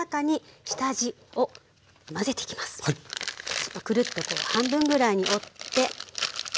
ちょっとくるっとこう半分ぐらいに折って。